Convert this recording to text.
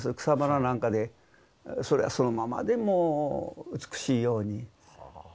草花なんかでそれはそのままでもう美しいように。